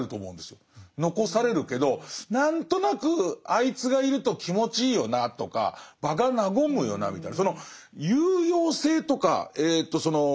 残されるけど何となくあいつがいると気持ちいいよなとか場が和むよなみたいな